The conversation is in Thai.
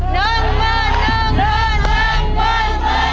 น้ำมันน้ำมัน